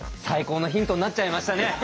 最高のヒントになっちゃいましたね。